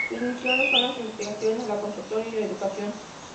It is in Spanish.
Sus misiones son la investigación, la consultoría y la educación.